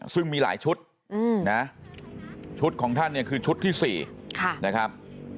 ซึ่งมีหลายชุดนะชุดของท่านเนี่ยคือชุดที่๔นะครับ